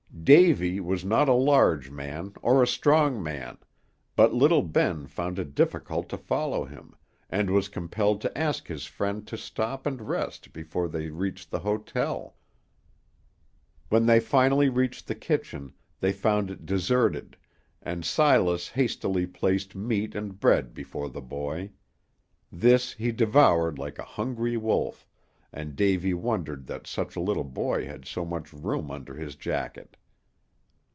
Davy was not a large man or a strong man, but little Ben found it difficult to follow him, and was compelled to ask his friend to stop and rest before they reached the hotel. When they finally reached the kitchen, they found it deserted, and Silas hastily placed meat and bread before the boy. This he devoured like a hungry wolf, and Davy wondered that such a little boy had so much room under his jacket.